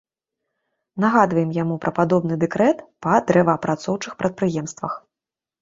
Нагадваем яму пра падобны дэкрэт па дрэваапрацоўчых прадпрыемствах.